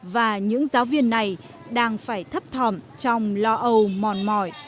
và những giáo viên này đang phải thấp thỏm trong lo âu mòn mỏi